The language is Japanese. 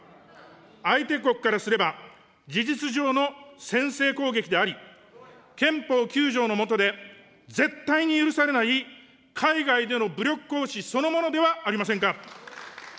相手国からすれば、事実上の先制攻撃であり、憲法９条の下で絶対に許されない海外での武力行使そのものではありませんか。